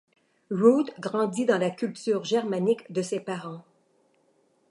Ruth grandit dans la culture germanique de ses parents.